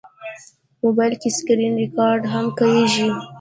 موبایل کې سکرینریکارډ هم کېږي.